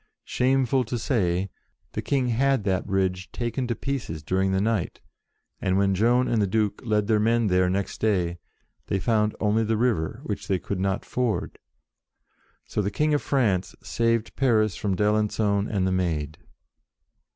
Shameful to say, the King had that bridge taken to pieces during the night, and when Joan and the Duke led their men there next day, they found only the river, which they could not ford. So the King of France saved Paris from d'Alencon and the Maid.